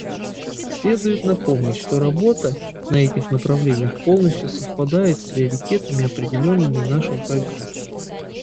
Следует напомнить, что работа на этих направлениях полностью совпадает с приоритетами, определенными нашим правительством.